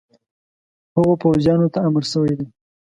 هغو پوځیانو ته امر شوی دی.